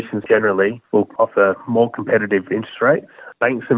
yang perlu anda pertimbangkan